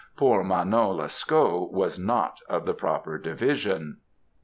Poor Manon Lescaut was not of the proper division.